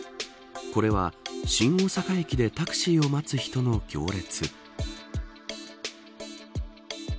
これは、新大阪駅でタクシーを待つ人の行列。